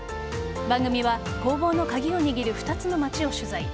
番組は攻防の鍵を握る２つの町を取材。